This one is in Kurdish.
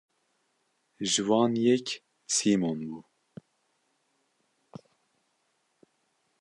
Ji wan yek Sîmon bû.